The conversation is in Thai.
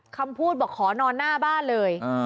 คำพูดบอกขอนอนหน้าบ้านเลย